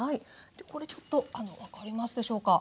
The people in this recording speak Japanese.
でこれちょっと分かりますでしょうか？